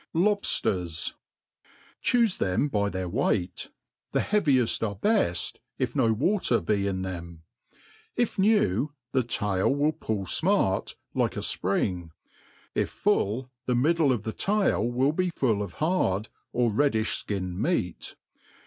Lohjlers. CHUSE them by their weight ; the heavieft are beft, if no water be in them : if new, the tail will pull fmart, like a fpring ; if full, the middle of the tail will be full of hard, or redd ilh (kin ned meat.